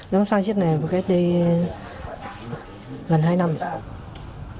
nó sang chết này gần hai năm rồi ạ